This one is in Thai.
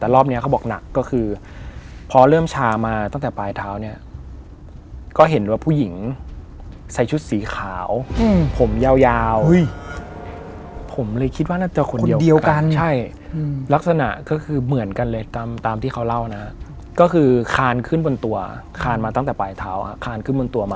แล้วที่นาผมเราก็คือว่า